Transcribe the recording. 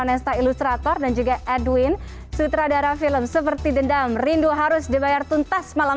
nesta ilustrator dan juga edwin sutradara film seperti dendam rindu harus dibayar tuntas malam